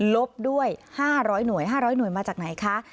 ลบด้วย๕๐๐หน่วย๕๐๐หน่วยมาจากไหนคะ